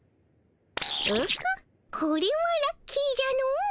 オホッこれはラッキーじゃの。